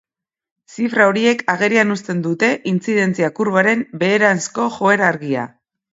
Zifra horiek agerian uzten dute intzidentzia-kurbaren beheranzko joera argia.